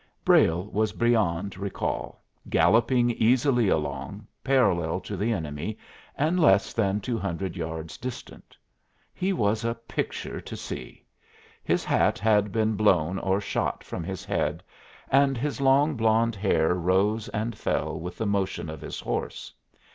Brayle was beyond recall, galloping easily along, parallel to the enemy and less than two hundred yards distant. He was a picture to see! His hat had been blown or shot from his head, and his long, blond hair rose and fell with the motion of his horse.